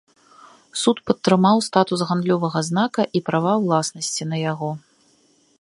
Суд падтрымаў статус гандлёвага знака і права ўласнасці на яго.